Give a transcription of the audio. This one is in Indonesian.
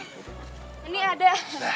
oh oh ini ada